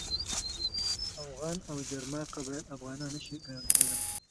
اوغان او جرما قبایل افغانان نه شي ګڼل کېدلای.